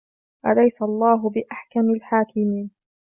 أَلَيْسَ اللَّهُ بِأَحْكَمِ الْحَاكِمِينَ